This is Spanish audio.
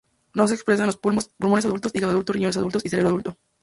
No se expresa en los pulmones adultos, hígado adulto, riñones adultos y cerebro adulto.